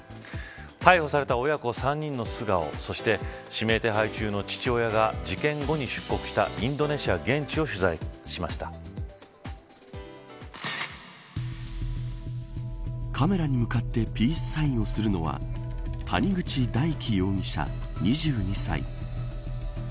逮捕された親子３人の素顔そして指名手配中の父親が事件後に出国したインドネシア現地をカメラに向かってピースサインをするのは谷口大祈容疑者、２２歳。